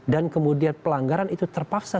dan kemudian pelanggaran itu terpaksa